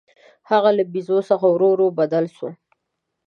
هغه له بیزو څخه ورو ورو بدل شو.